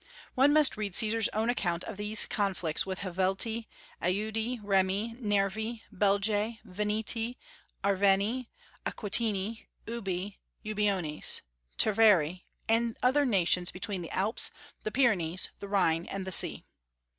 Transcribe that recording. One must read Caesar's own account of his conflicts with Helvetii, Aedui, Remi, Nervii, Belgae, Veneti, Arverni, Aquitani, Ubii, Eubueones, Treveri, and other nations between the Alps, the Pyrenees, the Rhine, and the sea.